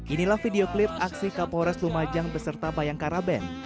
inilah video klip aksi kapolres lumajang beserta bayang karaben